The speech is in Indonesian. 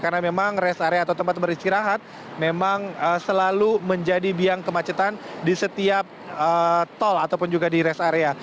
karena memang rest area atau tempat beristirahat memang selalu menjadi biang kemacetan di setiap tol ataupun juga di rest area